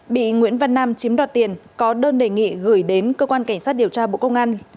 bị nguyễn văn nam chiếm đoạt tiền có đơn đề nghị gửi đến cơ quan cảnh sát điều tra bộ công an